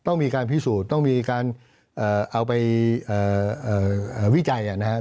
ต้องมีการพิสูจน์ต้องมีการเอาไปวิจัยนะครับ